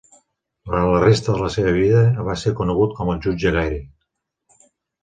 Durant la resta de la seva vida, va ser conegut com el jutge Gary.